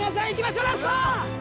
ラスト。